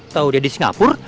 kau udah di singapur